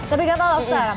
lebih gampang lobster